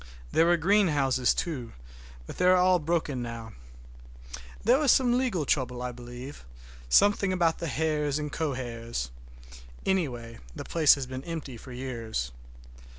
There were greenhouses, too, but they are all broken now. There was some legal trouble, I believe, something about the heirs and co heirs; anyhow, the place has been empty for years.